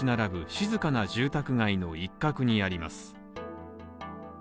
静かな住宅街の一角にあります。